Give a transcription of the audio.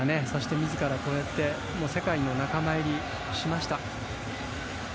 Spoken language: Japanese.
自らこうやって世界の仲間入りしました。